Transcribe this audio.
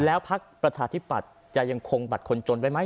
แล้วพักประชาธิปัตย์จะยังคงบัตรคนจนไว้ไหม